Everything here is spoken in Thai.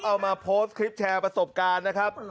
เอามาโพสต์คลิปแชร์ประสบการณ์นะครับ